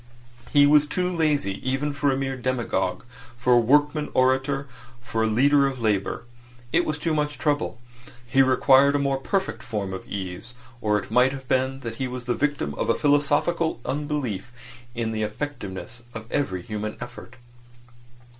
He was too lazy even for a mere demagogue, for a workman orator, for a leader of labour. It was too much trouble. He required a more perfect form of ease; or it might have been that he was the victim of a philosophical unbelief in the effectiveness of every human effort.